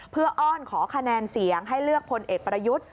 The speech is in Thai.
เพื่ออ้อนขอคะแนนเสียงให้เลือกพลเอกประยุทธ์